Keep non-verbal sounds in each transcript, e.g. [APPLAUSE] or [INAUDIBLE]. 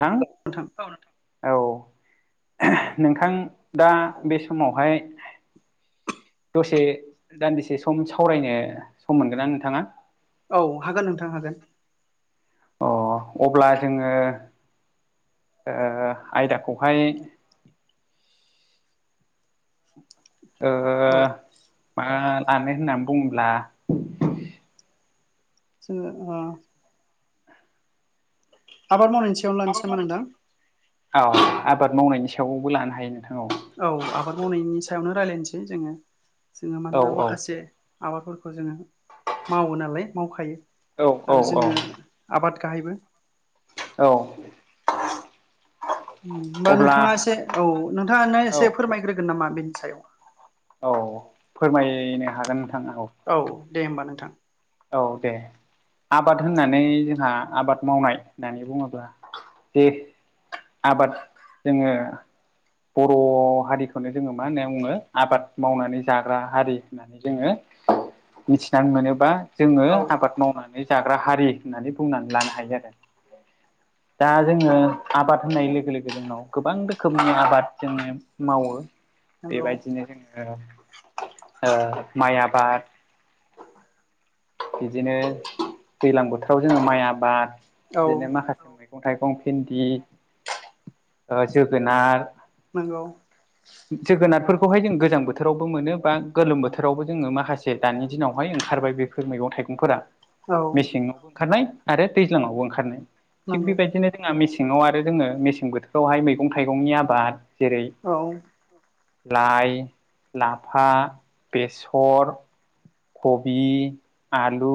थां नोंथां औ नोंथां। औ नोंथां दा बे समावहाय दसे दान्दिसे सम सावरायनो सम मोनगोन ना नोंथाङा? औ हागोन नोंथां हागोन। अ अब्ला जोङो आयदाखौहाय औ मा लानो होननानै बुंब्ला जोंङो ओ आबाद मावनायना आबाद मावनायनि औ आबाद मावनायनि सायावबो लानो हायो नोंथां औ औ आबाद मावनायनि सायावनो रायजलायनोसै जोङो जोङो औ मानोना माखासे आबादफोरखौ जोंङो मावो नालाय मावखायो औ औ आरो जोंङो औ आबाद गाहायबो औ होनोमबा अब्ला नोंथाङा एसे औ नोंथाङानो औ एसे फोरमायग्रोगोन नामा बेनि सायाव औ फोरमायनो हागोन नोंथां औ औ दे होमबा नोंथां औ दे आबाद होननानै जोंहा आबाद मावनाय होननानै बुङोब्ला बेे आबाद जोंङो बर' हारिखौनो जोंङो मा होनो बुंनो आबाद मावनानै जाग्रा हारि होननानै जोङो मिथिनानै मोनोबा जोंङो औ आबाद मावनानै जाग्रा हारि होननानै बुंनानै लानो हायो आरो दा जोंङो आबाद होननाय लोगो लोगो जोंनाव गोबां रोखोमनि आबाद जोंङो मावो नंगौ बेबायदिनो जोंङो माइ आबाद बिदिनो दैज्लां बोथोराव जोंङो माइ आबाद औ बिदिनो माखासे मैगं थाइगं भिन्दि जोगोनार नोंगौ [INAUDIBLE] जोगोनारफोरखौहाय जों गोजां बोथोरावबो मोनो बा गोलोम बोथोरावबो जोंङो माखासे दानि दिनावहाय ओंखारबाय बे बेफोर मैगं थाइगंफोरा औ मेसेआवबो ओंखारनाय आरो दैज्लांआवबो ओंखारनाय थिग नंगौ बेबायदिनो जोंहा मेसेङाव आरो जोङो मेसें बोथोरावहाय मैगं थाइगंनि आबाद जेरै औ लाइ लाफा बेसर खबि आलु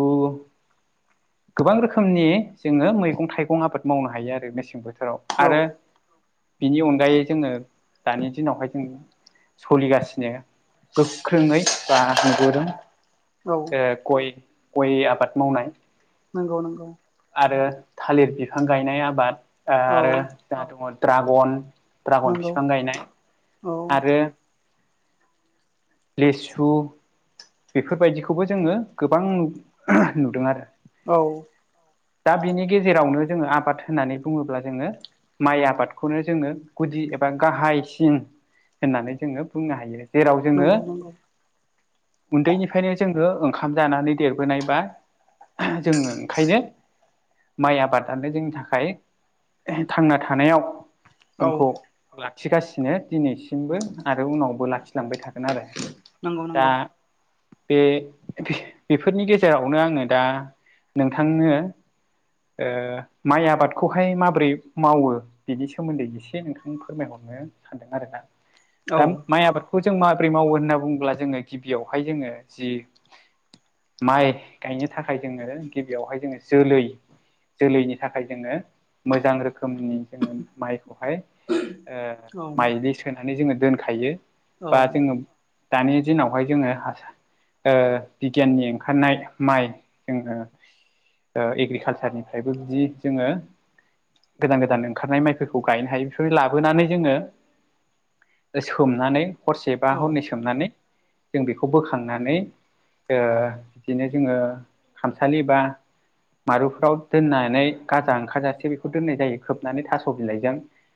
गोबां रोखोमनि जोङो मैगं थाइगं आबाद मावनो हायो आरो मेसें बोथोराव औ आरो बिनि अनगायै जोंङो दानि दिनावहाय जों सोलिगासिनो गोख्रोङै बा नुबोदों औ गय आबाद मावनाय नंगौ नंगौ आरो थालिर बिफां गायनाय आबाद औ आरो जोंहा दङ ड्रागन द्रागन नंगौ बिफां गायनाय औ आरो लेसु बेफोरबायदिखौबो जोंङो गोबां नुदों आरो औ दा बिनि गेजेरावनो जोंङो आबाद होननानै बुंङोब्ला जोंङो माइ आबादखौनो जोंङो गुदि एबा गाहायसिन होननानै जोंङो बुंनो हायो जेराव नंगौ जोंङो नंगौ उन्दैनिफ्रायनो जोंङो ओंखाम जानानै देरबोनायबा जोंङो ओंखायनो माइ आबादानो जोंनि थाखाय थांना थानायाव औ जोंखौ लाखिगासिनो दिनैसिमबो आरो उनावबो लाखिलांबाय थागोन आरो नंगौ दा नंगौ बे बेफोरनि गेजेरावनो आङो दा नोंथांनो माइ आबादखौहाय माबोरै मावो बिनि सोमोन्दै एसे नोंथां फोरमायहरनो सानदों आरोना औ दा माइ आबादखौ जों माबोरै मावो होनना बुंङोब्ला जोंङो गिबियावहाय जोंङो जि माइ गायनो थाखाय जोंङो गिबियावहाय जोंङो जोलै जोलैनि थाखाय जोंङो मोजां रोखोमनि जोङो माइखौहाय ओ औ माइलि सोनानै जोङो दोनखायो। औ बा जोङो दानि दिनावहाय जोङो [INAUDIBLE] ओ बिगियाननि ओंखारनाय माइ जोङो ओ एग्रिखालसारनिफ्रायबो बिदि जोङो गोदान गोदान ओंखारनाय माइफोरखौ गायनो हायो बेफोरनि लाबोनानै जोङो ओ सोमनानै हरसे बा औ हरनै सोमनानै जों बेखौ खौ बोखांनानै ओ दिनो जोङो खामसालि बा मारुफोराव दोननानै गाजा ओंखारजासे बेखौ दोननाय जायो खोबनानै थास' बिलाइजों।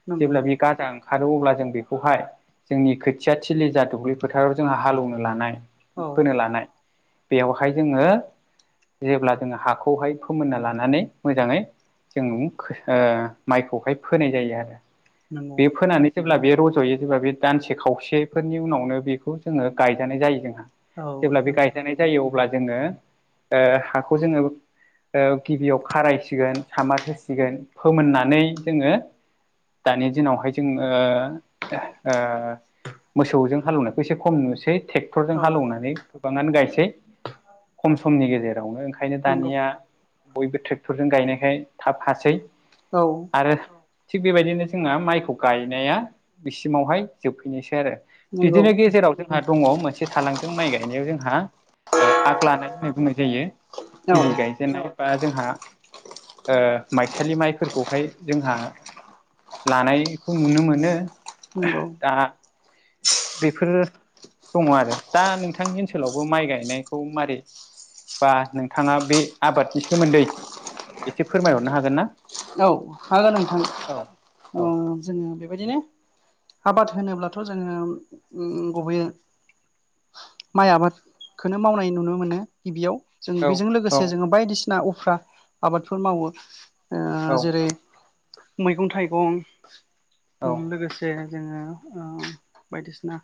नंगौ जेब्ला बे गाजा ओंख खारो अब्ला जों बेखौहाय जोंनि खोथिया थिलि जा दुब्लि फोथाराव जोंहा हालेवनो लानाय औ फोनो लानाय बेवहाय जोङो जेब्ला जोङो हाखौहाय फोमोनना लानानै मोजाङै जों ओ माइखौहाय फोनाय जायो आरो नंगौ बे फोनानै जेब्ला बे रज'यो जेब्ला बे दानसे खावसेफोरनि उनावनो बेखौ जोङो गायजानाय जायो जोंहा। औ जेब्ला बे नंगौ गायजानाय जायो अब्ला जोङो ओ हाखौ जोङो ओ गिबियाव खारायसिगोन सामार होसिगोन फोमोननानै जोङो दानि दिनावहाय जों ओ ओ मोसौजों हालौनायखौ एसे खम नुसै थेक्टर जों औ हालेवनानै बाङानो गायसै खम समनि गेजेरावनो ओंखायनो नंगौ दानिया बयबो थ्रेक्टरजों गायनायखाय थाब हासै। औ आरो थिग बेबायदिनो जोंहा माइखौ गायनाया बिसिमावहाय जोबफैनोसै आरो। बिदिनो नंगौ गेजेराव जोंहा दङ मोनस से थालांथों माइ गायनायाव जोंहा ओ आग लानाय होननाय बुंनाय जायो औ गिबि गाय जेनेबा जोंहा ओ माइसालि माइफोरखौहाय जोंहा लानायखौ नुनो मोनो। नंगौ। आ बेफोरो दङ आरो दा नोंथांनि ओनसोलावबो माइ गायनायखौ मारै बा नोंथाङा बे आबादनि सोमोन्दै एसे फोरमायहरनो हागोन ना? औ हागोन नोंथां औ औ ओम जोङो बेबादिनो आबाद होनोब्लाथ' जोङो उम उम गुबुयै माइ आबादखोनो मावनाय नुनो मोनो गिबियाव जों औ बिजों औ लोगोसे जोङो बायदिसिना उफ्रा आबादफोर मावो। ओ औ जेरै मैगं थाइगं उम औ लोगोसे जे जोङो ओ बायदिसिना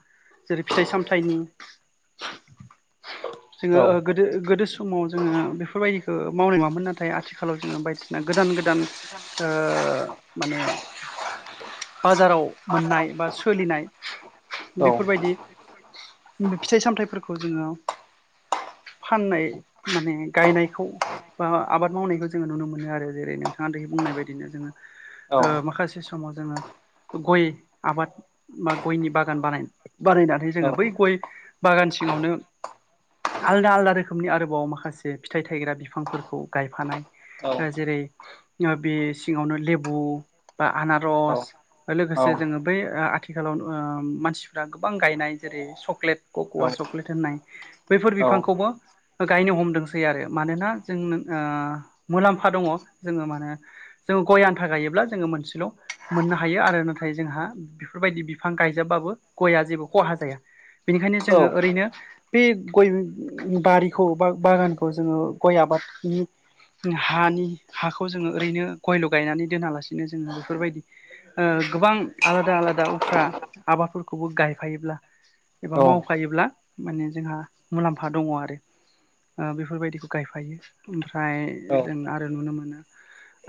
जेरै फिथाइ सामथाइनि [INAUDIBLE] जोङो ओ गोदो गोदो समाव जोङो बेफोरबायदिखो मावनाय नुवामोन नाथाय आथिखालाव जोङो बायदिसिना गोदान गोदान ओ माने बाजाराव मोननाय बा सोलिनाय औ बेफोरबायदि उम फिथाइ सामथाइफोरखौ जोङो फाननाय माने गायनायखौ बा आबाद मावनायखौ जोङो नुनो मोनो आरो। जेरै नोंथाङा दायो बुंनाय बायदिनो जोङो औ ओ औ माखासे समाव जोङो गय आबाद बा गयनि बागान बानाय बानायना जे औ जोङो बै गय बागान सिङावनो आलदा आलदा रोखोमनि आरोबाव माखासे फिथाइ थायग्रा बिफांफोरखौ गायफानाय। ओ जेरै बे सिङावनो लेबु बा आनारस ओ लोगोसे जोङो बे ओ आथिखालाव ओ मानसिफोरा गोबां गायनाय जेरै चक्लेट कक'वा चक्लेट होननाय बैफोर बिफांखौबो ओ गायनो हमदोंसै आरो मानोना जोंनो ओ मुलाम्फा दङ। जोङो मा होनो जोङो गय आन्था गायोब्ला जोङो मोनसेल' मोननो हायो आरो नाथाय जोंहा बेफोरबायदि बिफां गायजाबबाबो गआ जेबो खहा जाया। बेनिखायनो जोङो ओरैनो बे गय बारिखौ बा बागानखौ जोङो गय आबादनि हानि हाखौ जोङो ओरैनो गयल' गायनानै दोनालासिनो जोङो बेफोरबायदि ओ गोबां आलादा आलादा उफ्रा आबादफोरखौबो गायफायोब्ला एबा मावफायोब्ला माने जोंहा मुलाम्फा दङ आरो। ओ बेफोरबायदिखौ गायफायो। ओमफ्राय औ जों आरो नुनो मोनो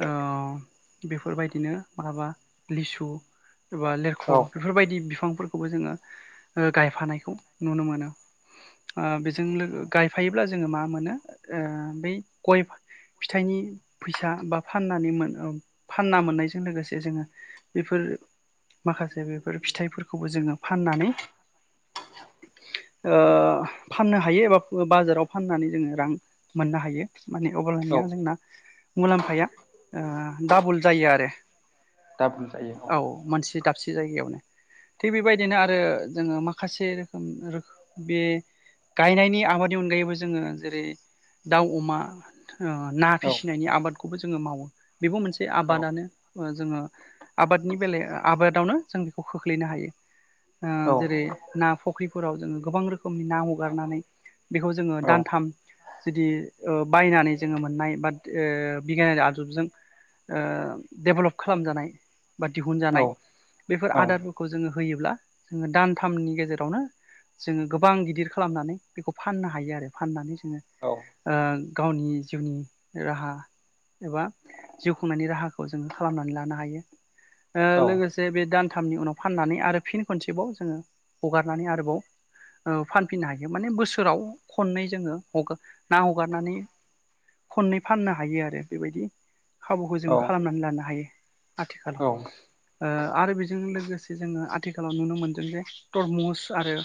ओ बेफोरबायदिनो माहाबा लिसु एबा लेरख' औ बेफोरबायदि बिफांफोरखौबो जोङो गायफानायखौ नुनो मोनो। ओ बेजों लोगो गायफायोब्ला जोङो मा मोनो बै गय फिथाइनि फैसा बा फाननानै मोन फानना मोननायजों लोगोसे जोङो बेफोर माखासे बेफोर फिथाइफोरखौबो जोङो फाननानै ओ फाननो हायो एबा बाजाराव फाननानै जोङो रां मोननो हायो माने औ अब्लानिया जोंना मुलाम्फाया ओ डाबल जायो आरो। दाबल जायो औ। मोनसे दाबसे जायगायावनो। थिग बेबायदिनो आरो जोङो माखासे रोखोम बे गायनायनि आबादनि अनगायैबो जोङो जेरै दाउ अमा ना औ फिसिनायनि आबादखौबो जोङो मावो बेबो मोनसे औ आबादानो। जोङो आबादनि बेलाया आबादावनो जों बेखौ खोख्लैनो हायो। औ जेरै ना फ फख्रिफोराव जोङो गोबां रोखोमनि ना हगारनानै बेखौ जोङो औ दानथाम जुदि बायनानै जोङो मोननाय बा ओ बिगियानारि आदबजों दडेभेलप खालामजानाय बा दिहुनजानाय बेफोर औ आदारफोरखौ जोङो होयोब्ला जोङो दानथामनि गेजेरावनो जोङो गोबां गिदिर खालामनानै बेखौ फाननो हायो आरो फाननानै जोङो औ। गावनि जिउनि राहा एबा जिउ खुंनायनि राहाखौ जोङो खालामनानै लानो हायो। औ लोगोसे जे बे दानथामनि उनाव फाननानै आरो फिन खनसेबाव जोङो हगारनानै आरोबाव फानफिननो हायो माने बोसोराव खननै जोङो हगार ना हगारनानै खननै फाननो हायो आरो। बेबायदि खाबुखौ औ जोङो खालामनानै लानो हायो आथिखालाव। औ आरो बेजों लोगोसे जोङो आथिखालाव नुनो मोनदों जे तरमुस आरो